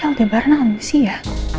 aldebaran amisi ya